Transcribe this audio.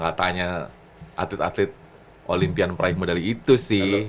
katanya atlet atlet olimpian peraih medali itu sih